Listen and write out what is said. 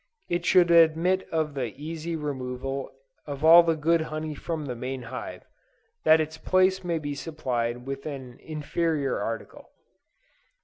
It should admit of the easy removal of all the good honey from the main hive, that its place may be supplied with an inferior article.